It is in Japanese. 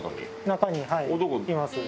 中にはいいます。